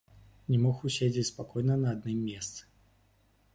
Не мог уседзець спакойна на адным месцы.